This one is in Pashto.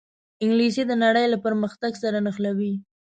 انګلیسي د نړۍ له پرمختګ سره نښلوي